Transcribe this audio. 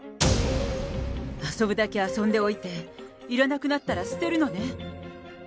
遊ぶだけ遊んでおいて、いらなくなったら捨てるのね。